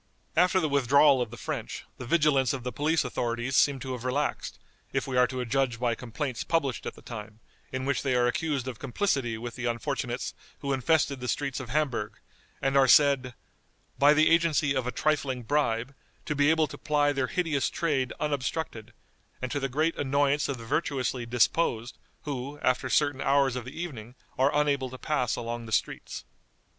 After the withdrawal of the French, the vigilance of the police authorities seems to have relaxed, if we are to judge by complaints published at the time, in which they are accused of complicity with the unfortunates who infested the streets of Hamburg, and are said, "by the agency of a trifling bribe, to be able to ply their hideous trade unobstructed, and to the great annoyance of the virtuously disposed, who, after certain hours of the evening, are unable to pass along the streets."